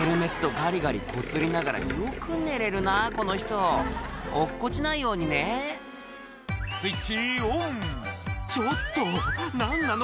ガリガリこすりながらよく寝れるなこの人落っこちないようにね「スイッチオン」「ちょっと何なの？